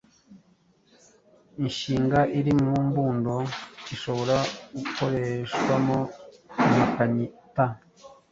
Inshinga iri mu mbundo ishobora gukoreshwamo impakanyi “ta”.